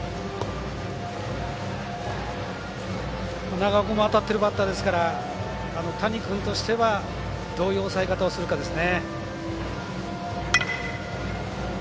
長尾君も当たってるバッターですから谷君としてはどういう抑え方をするかですね。